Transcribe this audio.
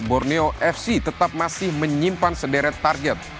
borneo fc tetap masih menyimpan sederet target